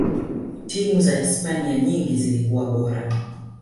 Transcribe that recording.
timu za hispania nyingi zilikuwa bora